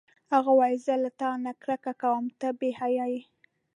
هغه وویل: زه له تا نه کرکه کوم، ته بې حیا یې.